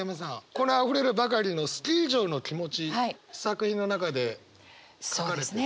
このあふれるばかりの好き以上の気持ち作品の中で書かれてる？